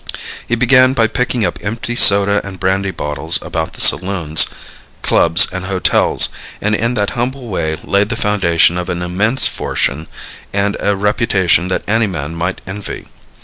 He began by picking up empty soda and brandy bottles about the saloons, clubs and hotels, and in that humble way laid the foundation of an immense fortune and a reputation that any man might envy.